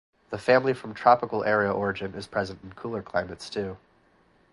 The family from tropical area origin is present in cooler climates, too.